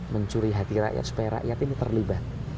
mencuri hati rakyat supaya rakyat ini terlibat